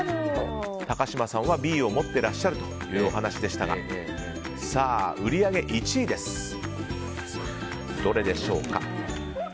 高嶋さんはＢを持ってらっしゃるというお話でしたが売り上げ１位です。どれでしょうか。